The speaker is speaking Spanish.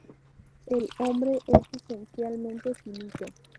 El hombre es esencialmente finito.